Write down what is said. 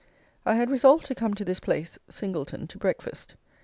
I had resolved to come to this place (Singleton) to breakfast.